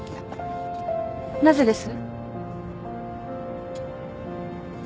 なぜです？